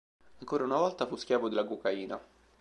Ancora una volta fu schiavo della cocaina.